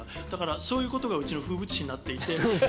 そういうことがうちの風物詩になっている。